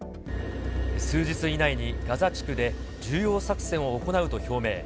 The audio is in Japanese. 数日以内にガザ地区で重要作戦を行うと表明。